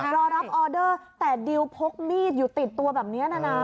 รอรับออเดอร์แต่ดิวพกมีดอยู่ติดตัวแบบนี้นะนะ